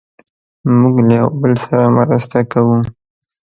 موږ له یو بل سره مرسته کوو.